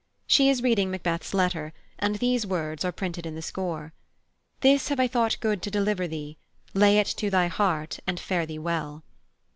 She is reading Macbeth's letter, and these words are printed in the score: "This have I thought good to deliver thee. Lay it to thy heart, and fare thee well."